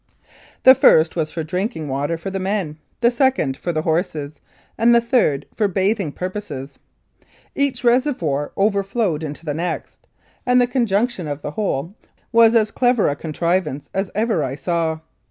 The first was for drinking 56 1888 89. Lethbridge water for the men, the second for the horses, and the third for bathing purposes. Each reservoir overflowed into the next, and the conjunction of the whole was as clever a contrivance as ever I saw.